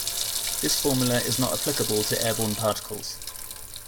This formula is not applicable to airborne particles.